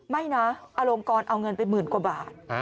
ไม่นะอลงกรเอาเงินไปหมื่นกว่าบาท